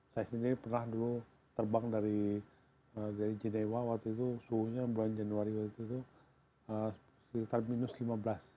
saya sendiri pernah dulu terbang dari genewa waktu itu suhunya bulan januari waktu itu sekitar minus lima belas